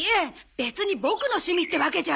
別にボクの趣味ってわけじゃ。